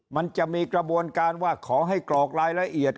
มันจะมีกระบวนการว่าขอให้กรอกรายละเอียด